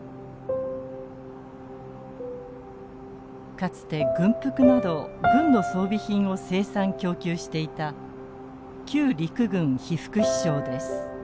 かつて軍服など軍の装備品を生産供給していた旧陸軍被服支廠です。